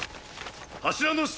柱の下！！